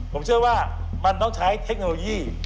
ผมเชื่อว่ามันต้องใช้เทคโนโลยี